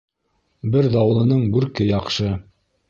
Бер даулының бүрке яҡшы.